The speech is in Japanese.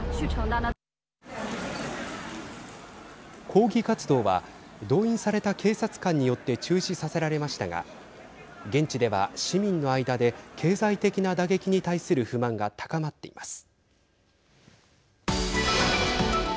抗議活動は動員された警察官によって中止させられましたが現地では、市民の間で経済的な打撃に対する不満が高まっています。